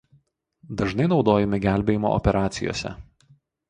Dažnai naudojami gelbėjimo operacijose.